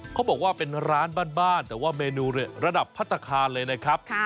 เขาบอกว่าเป็นร้านบ้านแต่ว่าเมนูระดับพัฒนาคารเลยนะครับ